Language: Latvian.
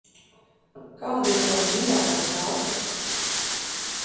Kāda ir tava mīļākā krāsa?